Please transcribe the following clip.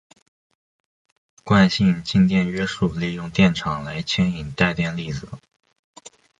惯性静电约束利用电场来牵引带电粒子。